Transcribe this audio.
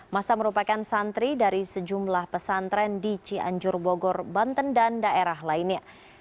masa merupakan santri dari sejumlah pesantren di cianjur bogor banten dan daerah lainnya